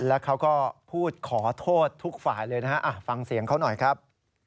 แล้วเขาก็พูดขอโทษทุกฝ่ายเลยนะฮะฟังเสียงเขาหน่อยครับ